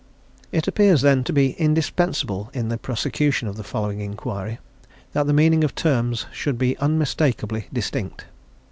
It appears, then, to be indispensable in the prosecution of the following inquiry that the meaning of the terms used should be unmistakably distinct.